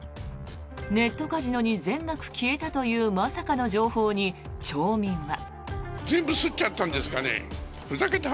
ネットカジノに全額消えたというまさかの情報に、町民は。